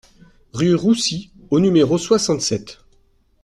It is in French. Rue Roussy au numéro soixante-sept